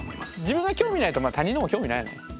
自分が興味ないと他人のも興味ないよね。